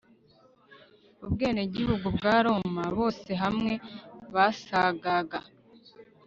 ubwenegihugu bwa roma, bose hamwe basagaga